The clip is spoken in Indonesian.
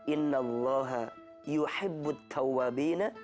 innallaha yuhibbut tawabina